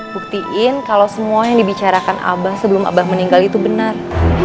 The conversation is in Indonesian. buktiin kalau semua yang dibicarakan abah sebelum abah meninggal itu benar